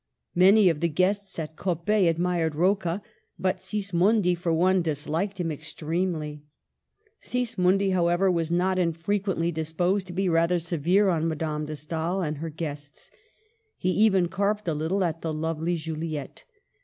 Many of the guests at Coppet admired Rocca, but Sis mondi, for one, disliked him extremely. Sis mondi, however, was not unfrequently disposed to be rather severe on Madame de Stael and her guests ; he even carped a little at the lovely Juli ette.